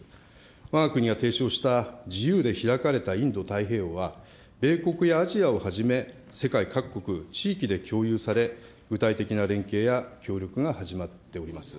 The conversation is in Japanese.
わが国が提唱した自由で開かれたインド太平洋は、米国やアジアをはじめ、世界各国、地域で共有され、具体的な連携や協力が始まっております。